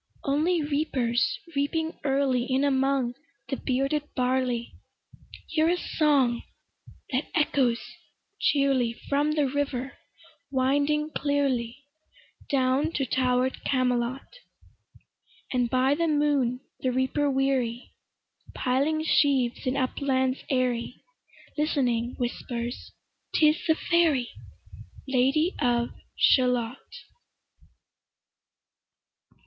Only reapers, reaping early In among the bearded barley, Hear a song that echoes cheerly From the river winding clearly, Down to tower'd Camelot: And by the moon the reaper weary, Piling sheaves in uplands airy, Listening, whispers "'Tis the fairy Lady of Shalott".